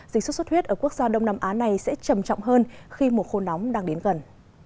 dịch sốt xuất huyết ở quốc gia đông nam á này sẽ trầm trọng hơn khi mùa khô nóng đang đến gần